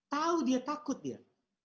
tahu dia takut dia